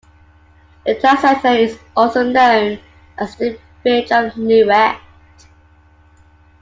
The town center is also known as the village of Newent.